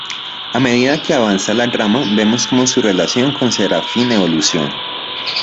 A medida que avanza la trama, vemos cómo su relación con Serafín evoluciona.